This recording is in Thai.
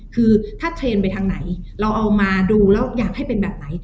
คือถ้าเทรนด์ไปทางไหนเราเอามาดูแล้วอยากให้เป็นแบบไหน